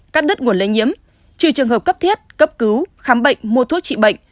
cắt đứt nguồn lây nhiễm trừ trường hợp cấp thiết cấp cứu khám bệnh mua thuốc trị bệnh